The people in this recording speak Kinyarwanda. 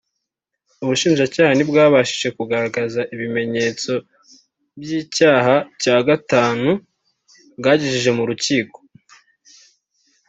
ubushinjacyaha ntibwabashije kugaragaza ibimenyetso by’icyaha cya gatanu bwagejeje mu rukiko